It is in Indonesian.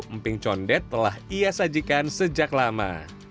emping condet telah ia sajikan sejak lama